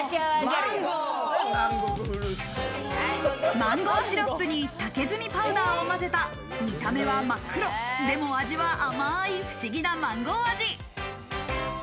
マンゴーシロップに竹炭パウダーを混ぜた見た目は真っ黒、でも味は甘い不思議なマンゴー味。